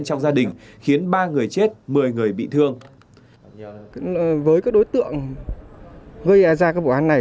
trong gia đình khiến ba người chết một mươi người bị thương với các đối tượng gây ra các vụ án này